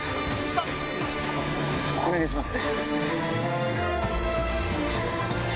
お願いします。